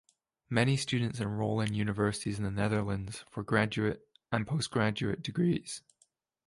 Many students enroll in universities in the Netherlands for graduate and postgraduate degrees.